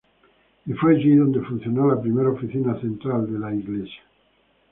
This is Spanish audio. Y fue allí donde funcionó la primera oficina central de la iglesia.